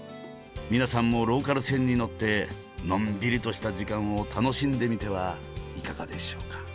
皆さんもローカル線に乗ってのんびりとした時間を楽しんでみてはいかがでしょうか。